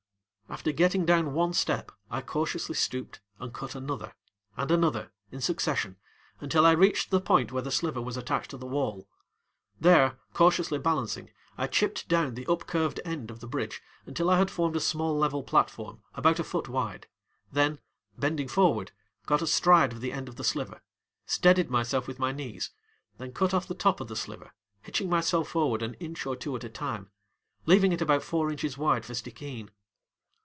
After getting down one step I cautiously stooped and cut another and another in succession until I reached the point where the sliver was attached to the wall. There, cautiously balancing, I chipped down the upcurved end of the bridge until I had formed a small level platform about a foot wide, then, bending forward, got astride of the end of the sliver, steadied myself with my knees, then cut off the top of the sliver, hitching myself forward an inch or two at a time, leaving it about four inches wide for Stickeen.